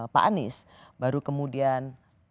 pak anies baru kemudian